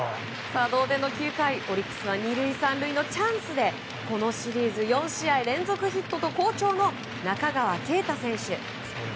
同点の９回オリックスは２塁３塁のチャンスでこのシリーズ４試合連続ヒットと好調の、中川圭太選手。